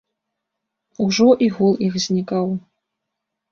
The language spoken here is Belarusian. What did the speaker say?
Ужо і гул іх знікаў.